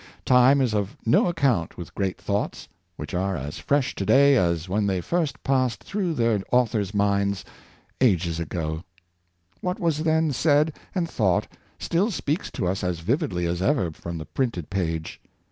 Time is of no account with great thoughts, which are as fresh to day as when they first passed through their author's minds, ages ago. What was then said and thought still speaks to us as vividly as ever from the printed page.